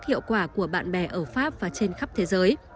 hiệu quả của bạn bè ở pháp và trên khắp thế giới